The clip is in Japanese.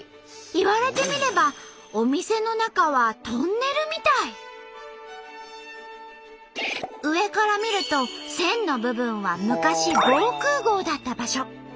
言われてみればお店の中は上から見ると線の部分は昔防空ごうだった場所。